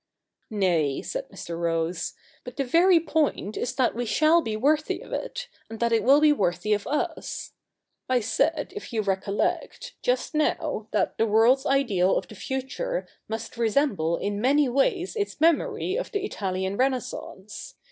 ' Xay,' said Mr. Rose, ' but the very point is that we 198 THE NEW REPUBLIC [bk. iv shall be worthy of it, and that it will be worthy of us. I said, if you recollect, just now, that the world's ideal of the future must resemble in many ways its memory of the Italian Renaissance.